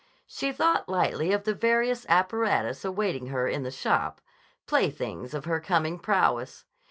She thought lightly of the various apparatus awaiting her in the "shop"; playthings of her coming prowess.